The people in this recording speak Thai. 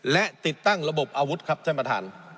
และติดตั้งระบบอาวุธครับท่านประธาน